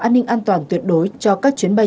an ninh an toàn tuyệt đối cho các chuyến bay